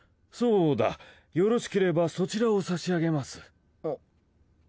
そうだよろしければそちらを差し上げます。